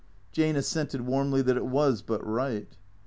Jane assented warmly that it was but right.